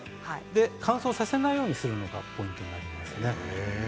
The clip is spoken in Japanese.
乾燥させないようにするのがポイントになりますね。